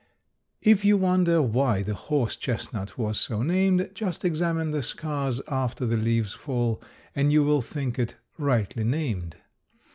If you wonder why the horse chestnut was so named, just examine the scars after the leaves fall and you will think it rightly named.